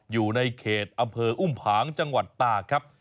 อยู่ในเขตอำเภออุ้มผางจังหวัดตากครับ